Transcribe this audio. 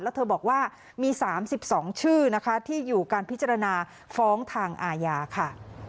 แล้วเธอบอกว่ามี๓๒ชื่อนะคะที่อยู่การพิจารณาฟ้องทางอาญาค่ะ